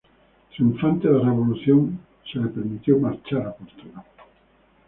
Triunfante la revolución se le permitió marchar a Portugal.